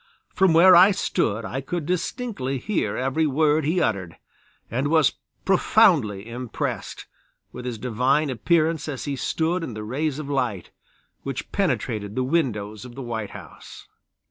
From where I stood I could distinctly hear every word he uttered and I was profoundly impressed with his divine appearance as he stood in the rays of light, which penetrated the windows of the White House.